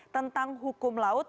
tentang hukum laut